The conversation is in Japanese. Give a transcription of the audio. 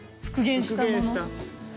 復元した。